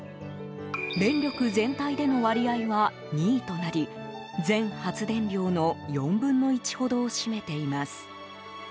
電力全体での割合は２位となり全発電量の４分の１ほどを占めています。